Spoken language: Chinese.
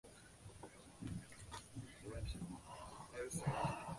苏吉马努鲁机场位于拉瓦若东部。